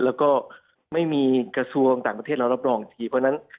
แล้วก็ไม่มีกระทรวงต่างประเทศเรารับรองอันดับนั้น